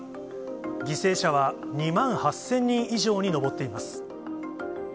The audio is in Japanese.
犠牲者は２万８０００人以上に上っています。